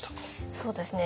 そうですね